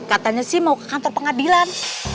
katanya sih mau ke kantor pengadilan